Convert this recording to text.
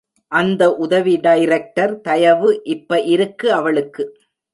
அந்த உதவி டைரக்டர் தயவு இப்ப இருக்கு அவளுக்கு.